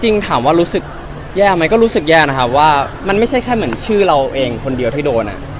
จริงถามว่ารู้สึกแย่ไหมก็รู้สึกแย่นะครับว่ามันไม่ใช่แค่เหมือนชื่อเราเองคนเดียวที่โดนอ่ะ